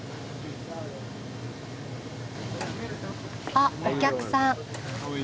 あっお客さん。